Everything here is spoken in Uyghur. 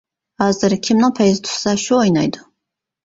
ھازىر كىمنىڭ پەيزى تۇتسا شۇ ئوينايدۇ.